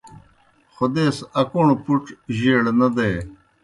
خودیس اکوݨوْ پُڇ جیئڑ نہ دے۔